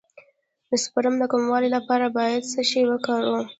د سپرم د کموالي لپاره باید څه شی وکاروم؟